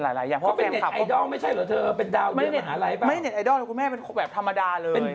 เพราะว่าน้องเขาอยู่นอกวงการตัวนี้กลัวคุยกับกระทบอะไรอะไรายัง